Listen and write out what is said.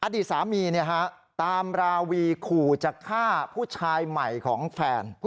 อดีตสามีตามราวีขู่จะฆ่าผู้ชายใหม่ของแฟน